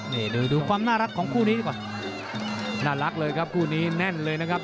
นี่ดูดูความน่ารักของคู่นี้ดีกว่าน่ารักเลยครับคู่นี้แน่นเลยนะครับ